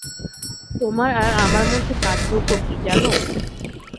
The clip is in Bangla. তোমার আর আমার মধ্যে পার্থক্য কী জানো?